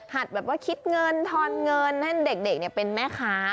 แบบว่าคิดเงินทอนเงินให้เด็กเป็นแม่ค้า